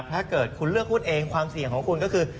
ถ้าเกิดคุณเลือกหุ้นเองความเสี่ยงของคุณก็คือ